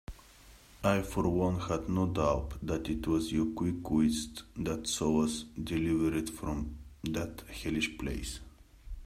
I for one have no doubt that it was your quick wits that saw us delivered from that hellish place.